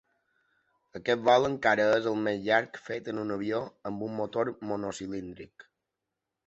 Aquest vol encara és el més llarg fet en un avió amb un motor monocilíndric.